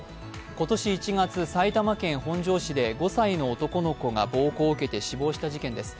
今年１月、埼玉県本庄市で５歳の男の子が暴行を受けて死亡した事件です。